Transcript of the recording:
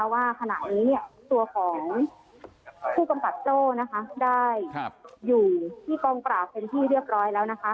ว่าขณะนี้ตัวของผู้กำกับโจ้ได้อยู่ที่กองปราบเป็นที่เรียบร้อยแล้วนะคะ